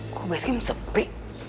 kok base game sepi